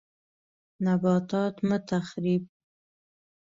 نباتات مه تخریب